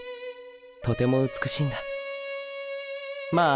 とても美しいんだまぁ